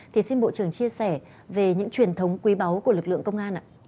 thì xin bộ trưởng chia sẻ về những truyền thống quý báu của lực lượng công an ạ